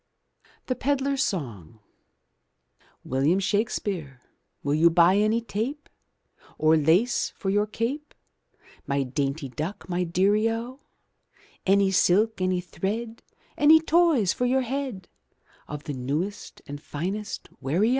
THE PEDLAR'S SONG William Shakespeare Will you buy any tape. Or lace for your cape, My dainty duck, my dear 0? Any silk, any thread, Any toys for your head, Of the newest and finest wear 0?